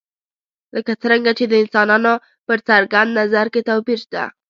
لکه څرنګه چې د انسانانو په څرګند نظر کې توپیر شته.